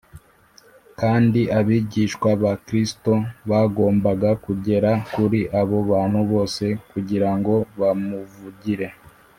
kandi abigishwa ba kristo bagombaga kugera kuri abo bantu bose kugira ngo bamuvugire